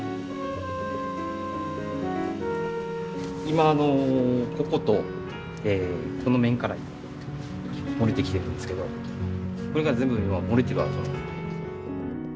今こことこの面から漏れてきてるんですけどこれが全部漏れてる跡。